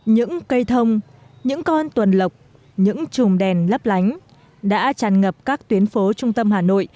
những cây thông những con tuần lộc những chùm đèn lấp lánh đã tràn ngập các tuyến phố trung tâm hà nội